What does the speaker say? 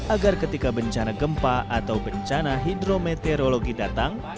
agar ketika bencana gempa atau bencana hidrometeorologi datang